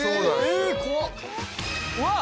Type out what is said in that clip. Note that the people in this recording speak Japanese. うわっ！